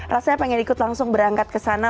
rasanya pengen ikut langsung berangkat ke sana